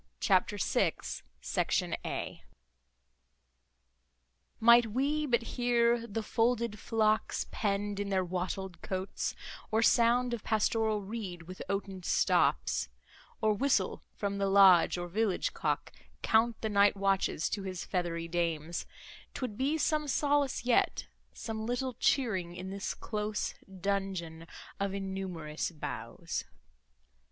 CHAPTER VI Might we but hear The folded flocks penn'd in their wattled cotes, Or sound of pastoral reed with oaten stops, Or whistle from the lodge, or village cock Count the night watches to his feathery dames, 'Twould be some solace yet, some little cheering In this close dungeon of innumerous boughs.